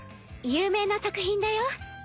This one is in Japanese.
有名な作品だよ。